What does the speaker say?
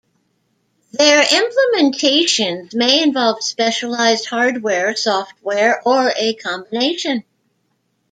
Their implementations may involve specialized hardware, software, or a combination.